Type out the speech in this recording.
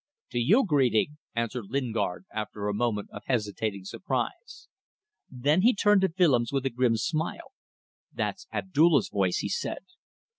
"To you greeting!" answered Lingard, after a moment of hesitating surprise. Then he turned to Willems with a grim smile. "That's Abdulla's voice," he said.